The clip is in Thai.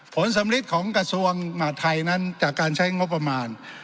ผลสำลิดของกระทรวงมหาทัยนั้นจากการใช้งบประมาณ